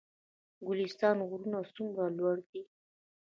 ګلستان غرونه څومره لوړ دي؟